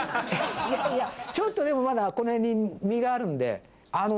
いやいやちょっとでもまだこの辺に身があるんで。